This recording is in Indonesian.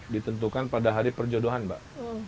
ditentukan pada hari perjodohan mbak